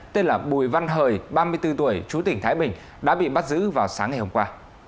tên là bùi văn hời ba mươi bốn tuổi chú tỉnh thái bình đã bị bắt giữ vào sáng ngày hôm qua